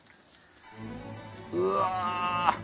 うわ！